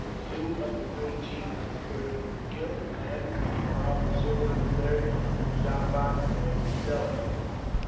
Two of the three chief conspirators were killed and, while pursuing the third, Muzaffar was himself killed.